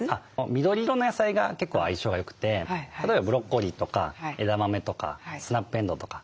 緑色の野菜が結構相性がよくて例えばブロッコリーとか枝豆とかスナップエンドウとか。